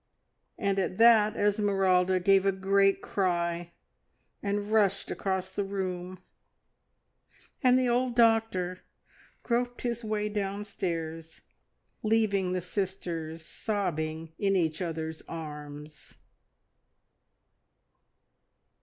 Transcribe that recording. And at that Esmeralda gave a great cry and rushed across the room, and the old doctor groped his way downstairs, leaving the sisters sobbing in each other's arms.